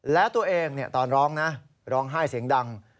และตัวเองตอนร้องนะร้องไห้เสียงดัง